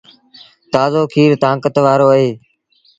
تآزو کير تآݩڪت وآرو اهي۔